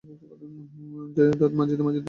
জয়া দাত মাজিতে মাজিতে বলিল, দাড়িয়ে কেন?